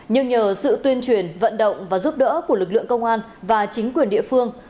nhưng nhờ sự tuyên truyền vận động và giúp đỡ của lực lượng công an và chính quyền địa phương